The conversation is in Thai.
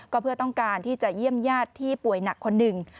ก็เพื่อต้องการที่จะเยี่ยมญาติที่ป่วยหนักคนหนึ่ง